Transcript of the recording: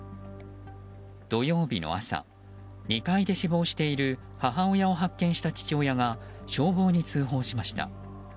土曜日の朝、２階で死亡している母親を発見した父親が消防に通報しました。